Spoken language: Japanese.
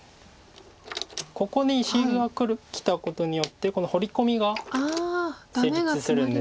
ここに石がきたことによってこのホウリコミが成立するんです。